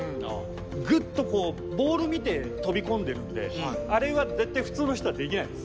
グッとこうボール見て飛び込んでるんであれは絶対普通の人はできないです。